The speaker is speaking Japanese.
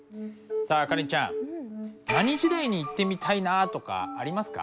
さあカレンちゃん何時代に行ってみたいなとかありますか？